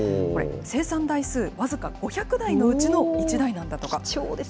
これ、生産台数僅か５００台のうちの１台なんだとか。